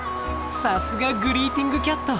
さすがグリーティングキャット。